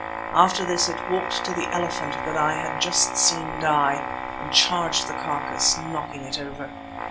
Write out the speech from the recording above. After this it walked to the elephant that I had just seen die, and charged the carcass, knocking it over.